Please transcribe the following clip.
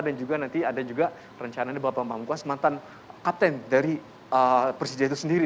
dan juga nanti ada juga rencana bapak mamukwas mantan kapten dari persija itu sendiri